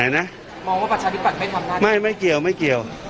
ไหนนะมองว่าประชาธิบัตรไม่ทำหน้าทีไม่ไม่เกี่ยวไม่เกี่ยว